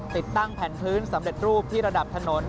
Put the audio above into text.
ติดตั้งแผ่นพื้นสำเร็จรูปที่ระดับถนน